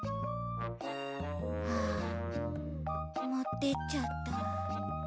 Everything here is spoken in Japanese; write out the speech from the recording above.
ああもってっちゃった。